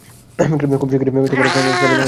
খুব শিগগিরই কেবল একটা টিকে থাকবে।